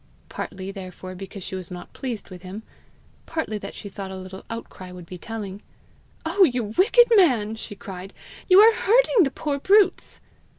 Partly therefore because she was not pleased with him, partly that she thought a little outcry would be telling, "Oh, you wicked man!" she cried, "you are hurting the poor brutes!"